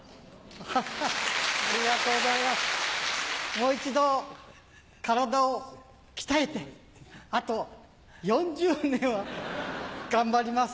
もう一度体を鍛えてあと４０年は頑張ります。